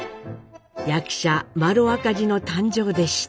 役者麿赤兒の誕生でした。